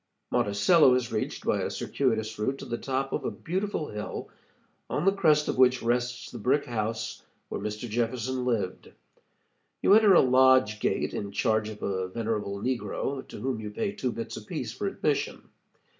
Monticello is reached by a circuitous route to the top of a beautiful hill, on the crest of which rests the brick house where Mr. Jefferson lived. You enter a lodge gate in charge of a venerable negro, to whom you pay two bits apiece for admission.